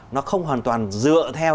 nó không hoàn toàn dựa theo